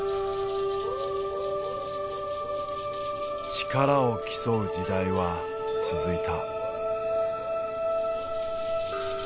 力を競う時代は続いた。